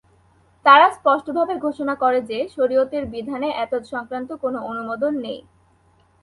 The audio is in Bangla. তারা স্পষ্টভাবে ঘোষণা করে যে, শরিয়তের বিধানে এতদ্সংক্রান্ত কোনো অনুমোদন নেই।